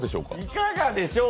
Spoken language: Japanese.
いかがでしょう？